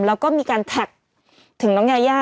แล้วก็มีการแท็กถึงน้องยายา